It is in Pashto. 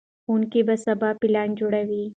ښوونکي به سبا پلان جوړوي.